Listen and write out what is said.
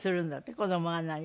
子供が何か。